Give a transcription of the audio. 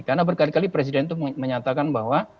karena berkali kali presiden itu menyatakan bahwa